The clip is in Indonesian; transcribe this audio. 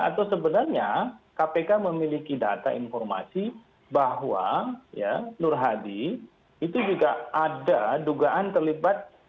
atau sebenarnya kpk memiliki data informasi bahwa nur hadi itu juga ada dugaan terlibat